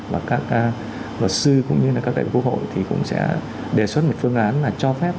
và các vật sư cũng như các đại vụ hội thì cũng sẽ đề xuất một phương án là cho phép